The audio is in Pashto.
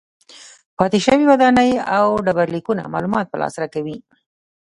پاتې شوې ودانۍ او ډبرلیکونه معلومات په لاس راکوي.